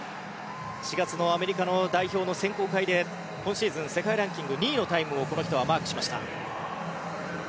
４月のアメリカの代表の選考会で今シーズン世界ランキング２位のタイムをこの人はマークしました。